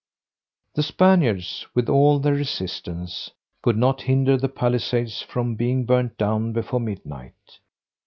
The Spaniards, with all their resistance, could not hinder the palisades from being burnt down before midnight.